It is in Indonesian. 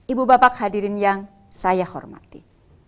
ibu bapak kehadirin yang saya hormati